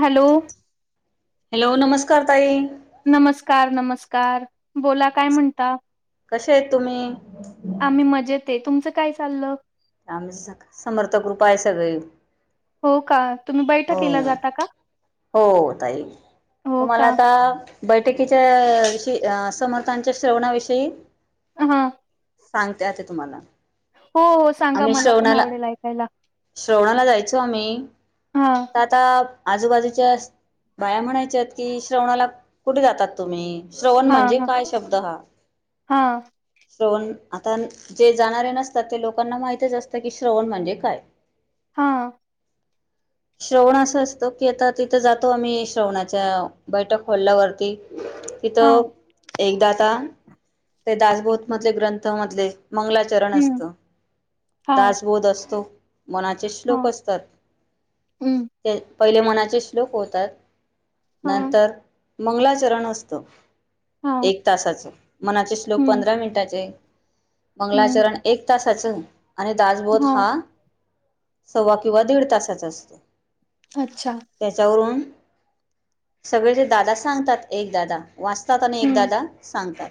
Hello! Hello नमस्कार ताई. नमस्कार नमस्कार बोला काय म्हणता. कसे आहेतं तुम्ही? आम्ही मजेतं आहे तुमचं काय चाललं. आम्ही स समर्थक गुर्प आहे सगळे. हो का तुम्ही बैठकीला जाता का. हो ताई हो तुम्हाला का आता. बैठकीच्या विषयी अ समर्थांच्या श्रवणाविषयी. हा, सांगते आता तुम्हाला. हो, सांगा आम्ही मला पण श्रावणाला आवडेल ऐकायला श्रवणा आला जायचो आम्ही हा त्या. आता आजूबाजूच्या बाया म्हणायच्या आहेत कि श्रावणाला कुठे जातात तुम्ही. श्रवण हा म्हणजे हा काय शब्द हा. हा श्रवण आता जे जाणारे नसतात ते लोक. लोकांना माहितचं असं कि श्रवण म्हणजे काय. हा, [inaudible] श्रवण असं असतो की आता तिथे जातो आम्ही श्रवणाच्या बैठक हॉल्ल्यावरती. हा तथं. एकदा आता ते दासभोत मधले ग्रंथ मधले मंगलाचरण हम्म असत. हा दासबोध असतो मनाचे हा श्लोक असतात. हम्म ते पहिले मनाचे श्लोक होतात. हा नंतर मंगलाचरण असतं. हा एक तासाच मनाचे श्लोक हम्म पंधरा मिनिटाचे. मंगला हम्म चरण एक तासाचं आणि दासबोध हा. सव्वा किंवा दीड तासाचं असतो. अच्छा. त्याच्यावरून सगळे जे दादा सांगतात एक दादा. वाचतात आणि हम्म एकदादा सांगतात.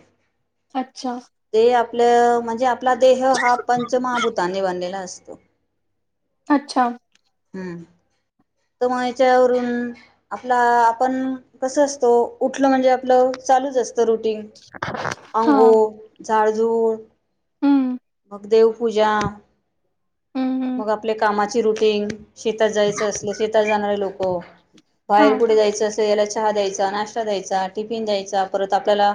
अच्छा. ते आपलं म्हणजे आपला देह हा पं ''--'' पंच मभूतांनी बनलेला असतो. अच्छा. हुं. तर म याच्यावरून आपला आपण कस असतो? उठलं म्हणजे आपलं चालूच असतं. रोजच रुटीन, हा अंंगो जाळजूळ, हम्म मग देव पूजा हम्म हम्म मग आपल्या कामा चे रुटींग शेतात जायचं असले शेतात जाणारे लोकं, हा बाहेर कुठे जायचं असेल याला चहा द्यायचा, ना श्टा दयायचा, टिफीन द्यायचा परत आपल्याला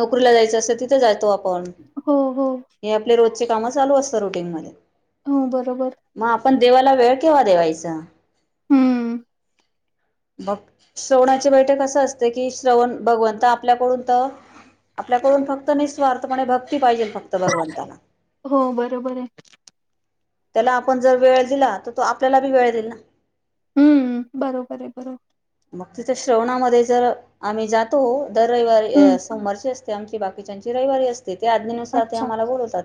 नोकरीला जायचे असेल तर तिथ थे जातो आपण, हो हो हे आपली रोजची काम चालू असत रुटीन मध्ये हो बरोबर. म आपण देवाला वेळ केव्हा देवायचा? हू म. भक श्रवणाची बैठक असं असते की, श्रवण भगवंत आपल्याकडून त आपल्याकडून फक्त निःस्वार्थ म्हणे भक्ती पाहिजेल फक्त भगवंताला. हो बरोबर ए. त्याला आपण जर वेळ दिला, तर तो आपल्याला बी वेळ दिईल ना? हुं. बरोबर हाय बरोबर. मग तिथ श्रवणामध्ये जर आम्ही जातो. दर रविवारी हं, अ सोमवारची असते ते आमची बाकीच्याची रविवारी असते, त्या आज्ञेनुसार ते अच्छा. आम्हाला बोलवतात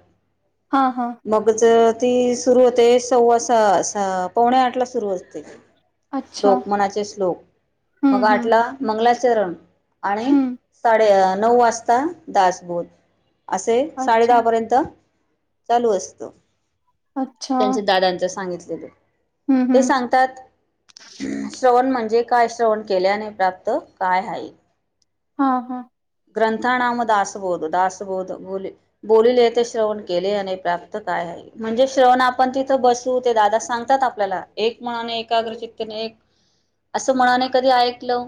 हां, हां. म उगच ती सुरू होते सव्वासा सा पावणे आठ ला सुरू होते. अच्छा. श्लोक मनाचे श्लोक, मग हं, हं. आटला मंगलाचरण आणि हं. साडे अ नऊ वाजता दासबोध असे अच्छा, साडेदहापर्यंत चालू असतो. अच्छा. त्यांच्या दादांच सांगितलेल. हं, ते हं. सांग तात श्रवण म्हणजे काय? श्रवण केल्याने प्राप्त काय आहे. हा हा. ग्रंथा नाम दासबोध, दासबोध बोले. बोलले ते श्रवण केल्याने, प्राप्त काय आहे. म्हणजे श्रवण आपण तिथं बसू. ते दादा सांगतात आपल्याला एक मनान, एकाग्रचितेने एक असं मनाने कधी ऐकलं?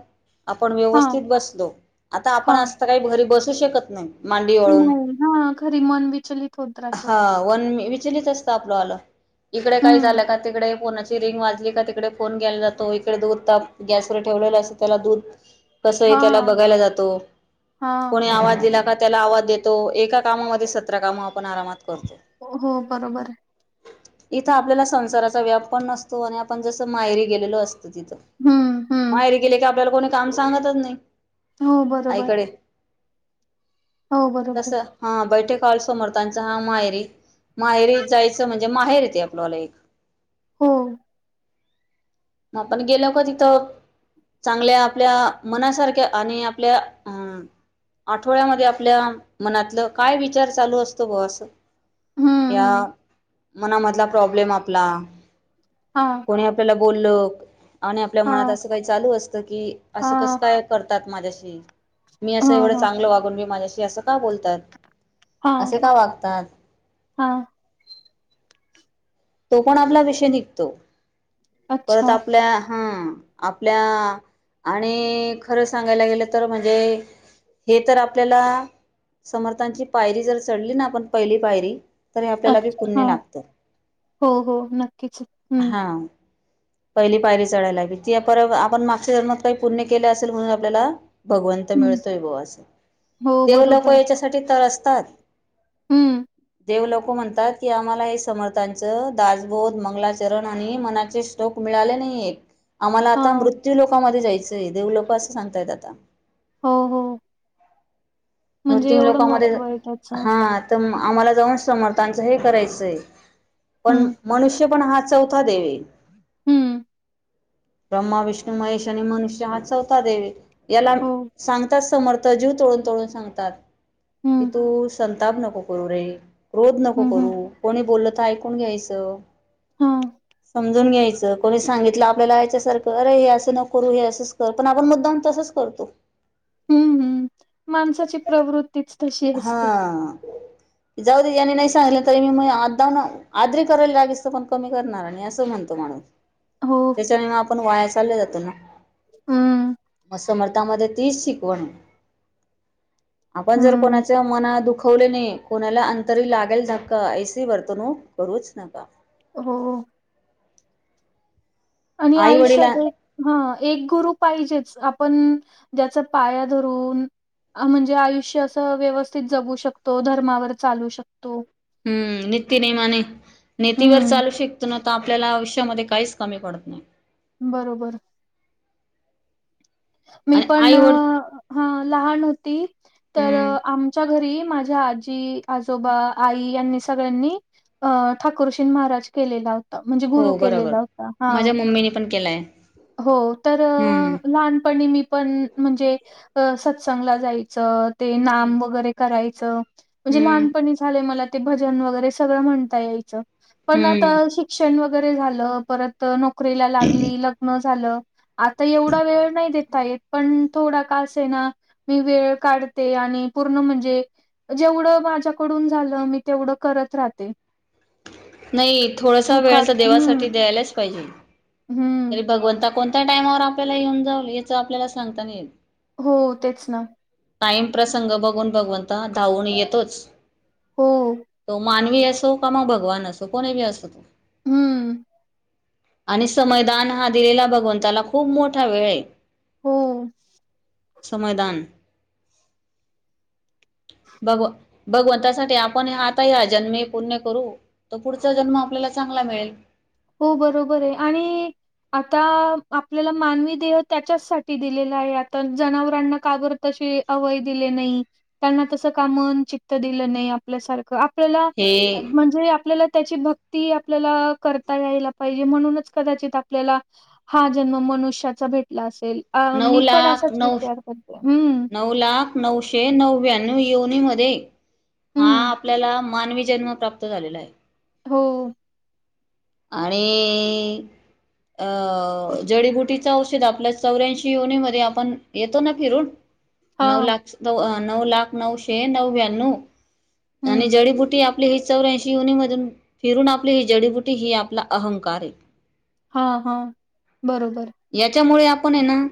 आपण हां, व्यवस्थित बसलो. आता आपण हां. आस काही घरी बसू शकत नाही. मांडी वळून, नाही. हां, घरी मन विचलित होत राहतं. हा वन विचलित अस त आपल वाल. इकडे काही झालं हं. का? तिकडे कुणाचं रिंग वाजली का तिकडे फोन घ्यायला जातो. इकडे दूध ताप गॅस वर ठेवलेला असत त्याला दूध कसंय त्याला हां, बघायला जातो? हां. कोणी आवाज दिला का त्याला आवाज देतो? एका कामामध्ये सतरा काम आपण आरामात करतो. हो हो बरोबर हाय. इथं आपल्याला संसाराचा व्याप पण नसतो आणि आपण जसं माहेरी गेलेलो अस तो तिथं. हं, हं. माहेरी गेले की, आपल्याला कोणी काम सांगतच नाही. हो बरोबर. आईकडे हो, तस बरोबर. हा बैठे कॉल समोर त्यांचा हा माहेरी. माहेरी जायचं म्हणजे ते माहेर एते आपलवाल एक. हो. आपण गेलो का तिथं चांगल्या आपल्या मनासारख्या आणि आपल्या अ आठवड्यामध्ये आपल्या मनातलं काय विचार चालू असतो भाऊ असं हं, या हं. मनामधला प्रॉब्लेम आपला हा कोणी आपल्याला बोललं आणि आपल्या मनात हां, अस काय चालू असत की असं कसं हां. काय करतात माझ्याशी मी असं हां, एवढं हां. चांगलं वागून बी माझ्याशी असं का बोलतात अस का वागतात हा तो पण आपला विषय निघतो परत अच्छा. आपल्या हा आपल्या आणि खरं सांगायला गेलं तर म्हणजे हे तर आपल्याला समर्थांची पायरी जर चढली ना आपण पहिली पायरी तरी आपल्याला बी अच्छा. पुण्य हां. लागतं. हो हो नक्कीच हूं हां पहिली पायरी चढायला हवी ती पर आपण मागच्या जन्मात काय पुण्य केलं असेल म्हणून आपल्याला भगवंत हं. मिळतोय बाऊ अस हो, देव लोक बरोबर. याच्यासाठी तरसतात. हूं देव लोक म्हणतात की आम्हाला हे समर् र्थाच दाासबोध, मंगलाचरण आणि मनाचे श्रोक मिळाले नाहीयेक. आम्हाला आता हां. मृत्यू लोकामध्ये जायचंय देव लोक असं सांगतायेत आता हो हो म्हणजे मृत्यू एवढं लोकामध्ये महत्त्व आहे त्याचं. हा तमं आम्हाला जाऊन समर्थांचं हे करायचंय पण हं, मनुष्य पण हा चौथा देव ये हं. ब्रह्मा, विष्णू, महेश आणि मनुष्य हा चौथा देव ये याला हो. सांगताच समर्थ जीव तोडून तोडून सांगतात की हं, तू संताप नको करू रे क्रोध नको हं, हं. करू कोणी बोललं तर ऐकून घ्यायचं. हां. समजून घ्यायचं कोणी सांगितलं आपल्याला याच्यासारखं अरे हे असं नको करू हे असंच कर पण आपण मुद्दाम तसंच करतो. हूं हूं माणसाची प्रवृ तीच तशी हा असते. जाऊ दे याने नाय सांगितलं तरी मी म आ दा ना आदरी करायला लावीस त पण कमी करणार आणि असं म्हणतो माणूस हो. त्याच्याने म आपण वाया चालल्या जातो ना हं, म समर्थामध्ये तीच शिकवण ये आपण जर कोणा हं. मना दुखवले नई कोणाला अंतरी लागेल धक्का ऐसी वर्तणूक करूच नका. हो. आणि आई वडील आयुष्यात हा एक गुरु पाहिजेच आपण ज्याचा पाया धरून अ म्हणजे आयुष्य असं व्यवस्थित जगू शकतो. धर्मावर चालू शकतो. हम्म नित्यनेमाणे, नितीवर हं, चालू शिकतो ना तर, आपल्याला आयुष्यामध्ये काहीच कमी पडत नाय. बरोबर मी आणि पण आई अ वड ह लहान होती. तर हम्म आमच्या घरी माझ आजी, आजोबा, आई, यांनी सगळ्यांनी अ ठाकूरशीन महाराज केलेला होता म्हणजे गुरु केलेला होता हा मम्मीनी पण केलाय हो तर हम्म लहानपणी मी पण म्हणजे अ सत्संगला जायचं ते नाम वगैरे करायचं म्हणजे हम्म लहानपणी झालंय मला भजन वगैरे सगळं म्हणता यायच पण आता हम्म शिक्षण वगैरे झालं परत ते नोकरीला लागली लग्न झालं आता एवढा वेळ नाही देता येत पण थोडा का असेना मी वेळ काढते आणि पूर्ण म्हणजे जेवढं माझ्याकडून झालं मी तेवढं करत राहते नाही थोडासा वेळ तर मुखात हं, देवासाठी द्यायलाच पाहिजे हं. तरी भगवंता कोणत्या टायमावर आपल्याला येऊन जाऊ याच आपल्याला सांगता नाई येत हो तेच ना टाईम प्रसंग बघून भगवंता धावून येतोच हो तो मानवी असो का मग भगवान असो कोणी बी असो हम्म आणि समयदान हा दिलेला भगवंताला खूप मोठा वेळ आहे हो समयदान भगव भगवंतासाठी आपण आता या जन्म पुण्य करू तर पुढचा जन्म आपल्याला चांगला मिळेल हो बरोबर आहे आणि आता आपल्याला मानवी देह त्याच्याच साठी दिलेला आहे आता जनावरांना का बर अवय दिल नाही त्यांना तस काम चित दिलं नाही आपल्यासारख आपल्या हे म्हणजे आपल्याला त्याची भक्ती आपल्याला कर ता यायला पाहिजे म्हणूनच कदाचित आपल्याला हा जन्म मनुष्याचा भेटला असेल अ नऊ मी पण लाख असाच नऊ विचार करते हम्म नऊ लाख नऊशे नव्या्नव येवनी मध्ये हा हं. आपल्याला मा मानवी जन्म प्राप्त झालेला आहे हो आणि अ जडीबुटीच औषध आपल्या चौऱ्यांशी योनी मध्ये आपण येतो ना फिरून नऊ हां. लाख न नऊ लाख नऊशे नऊव्या्णव आणि हं. जडीबुटी आप आपले ह चौऱ्यांशी युनी मधून फिरून आपली ही जडीबुटी ही आपला अहंकार आहे हा, हा बरोबर याच्यामुळे आपण हे ना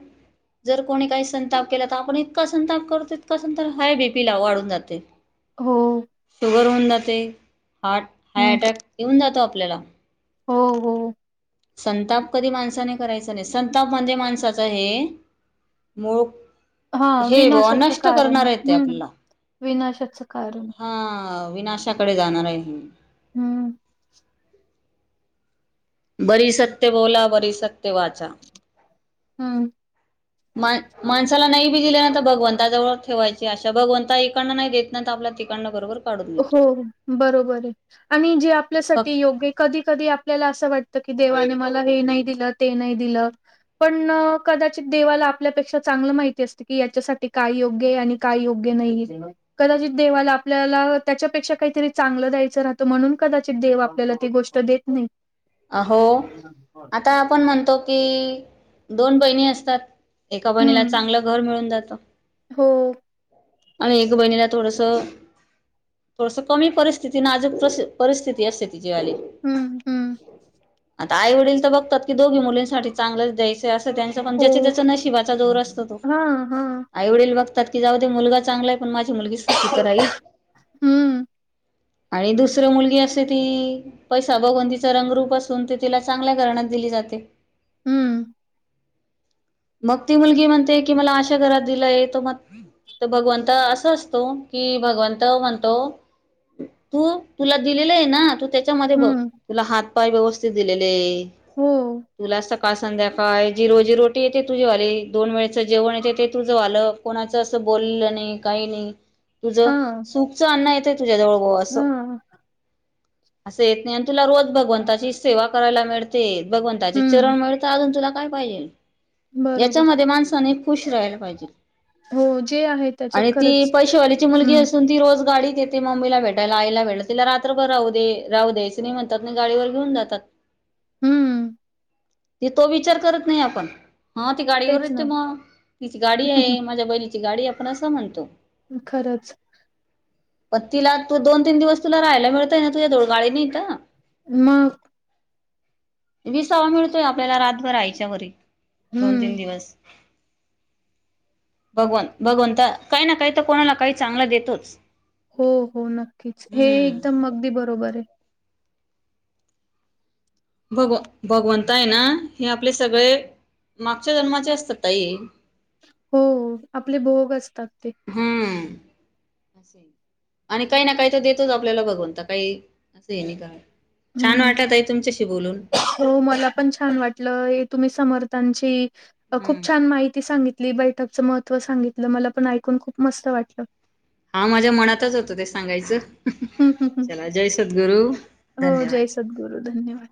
जर कोणी काही संताप केला तर आपण इतका संताप करतो इतका संताप हाय बीपी ला वाढून जाते [inaudible] हो शुगर होऊन जाते हार्ट हा हं. अटॅक येऊन जातो आपल्याला हो, हो संताप कधी माणसाने करायचा नाही संताप म्हणजे माणसाचा हे मूळ हां, हे ब विनाशाचं नष्ट कारण. करणार ते हं, आपल्याला विनाशाचं कारण हा, विनाशाकडे जाणार आहे हे. हम्म. बरी सत्य बोला, बरी सत्य वाचा. हम् [unintelligible] मा, माणसाला नाही बी दिल्यानं भगवंता जवळ ठेवायची अशा, भगवंता एककाना नाही देत. नंतर आपला तिकाडना बरोबर. काढून हो, देतो बरोबर हेय आणि जे आपल्यासाठी फक्त योग्य कधी- कधी आपल्याला असं वाटतं, की देवाने मला हे नाही दिलं ते नाही दिलं. पण, कदाचित देवाला आपल्यापेक्षा चांगलं माहिती असते की याच्यासाठी काय योग्य आणि काय योग्य नाही हे, कदाचित देवाला आपल्याला त्याच्यापेक्षा काहीतरी चांगलं द्यायचं राहतं, म्हणून कदाचित देव आपल्याला ती गोष्ट देत नाही. अहो, आता आपण म्हणतो की दोन बहिणी असतात, एका बहिणीला हं, चांगलं घर मिळून जातं. हो. आणि एक बहिणीला थोडस थोडस कमी परिस्थिती नाजुक अशी, परिस्थिती असते तीजी वाली. हम्म, हम्म आता आई वडील तर बघतात की दोघी मुलींसाठी चांगलंच दयस. असं ज्यांच पण ज्याच हो. -त्याच नशिबाचा जोर असतो तो, हां, हां. अरे होईल बघतात तिज अजून मुलगाच चांगलाय हाय, पण माझी मुलगी तर सुखी राहील. हं, आणि दुसरं मुलगी असते ती पैसा भगवंतीच रंगरूप असून ते तिला चांगल्या घराण्यात दिली जाते. हम्म. मग ती मुलगी म्हणते की मला अशा घरात दिलंय, तर मग तर भगवंत असं असतो, की भगवंत म्हणतो तू, तुला दिलेलं आहे ना तू त्याच्यामध्ये बघ, हं, तुला हात पाय व्यवस्थित दिलेले हो. तुला स सकाळ -संध्याकाळ रोजी रोट येते तुझे वाले, दोन वेळेच जेवण येते ते तुझं वालं, कोणाचं असं बोललं नाही काही नाही. तुझं, हां, सुखचं अन्न येतंय तुझ्या जवळ असं. हां. असं येत नाही, आणि तुला रोज भगवंताची सेवा करायला मिळते. भगवंताचे हं, चरण मिळेल, तर अजून तुला काय पाहिजेल. बरोबर. याच्यामध्ये माणसाने खुश राहायला पाहिजे. हो, जे आहे त्याच्यात आणि ती खरंच. पैशवालीची मुलगी हं, असून ती रोज गाडीत येते ती मम्मीला भेटायला, आईला भेटायला तिला रात्रभर राहू दे, राहू द्यायच नाही म्हणतात ना, गाडीवर घेऊन जातात. [unintelligible] हम्म. ही तो विचार करत नाही आपण. हा ती गाडीवर तेच येते ना. मग, तिची गाडी आहे माझ्या बहिणीची गाडी आपण असं म्हणतो. खरंच प तिला तू दोन-तीन दिवस तुला राहायला मिळतंय ना तुझ्याजवळ गाडी नाही तर. मग विसावा मिळतोय आपल्याला रातभर आयच्या घरी दोन- तीन हं. दिवस. भगवत, भगवंत काही ना काही तर कोणाला काही चांगला देतोच. हो हो नक्कीचं हे हम्म एकदंम अगदीं बरोबर आहे भगवं भगवंत आहे नां हे आपले सगळें मागच्या जन्मांचे असतां ताई हो आपले भोग असतांत ते हम्मं आणि कांहीं नां कांहीं तरं देतोच भगवंता आपल्यांला बघूंन तरं कांहीं असं आहे नाहीं कायं छान हं. वाटतं आहे ताई तुमच्यांशी बोलूंन हो मलां पणं छान वाटलं तुम्हीं समर्थांची खूंप हम्म छान माहिती सांगितली तुम्हीं बैठक महत्व सांगितलं मलां पणं ऐकूंन खूंप मस्तं वाटलं हां माझ्यां मनातंच होतो ते सांगायचं चलां जय सद्गुरुं धन्यंवाद बरं धन्यंवाद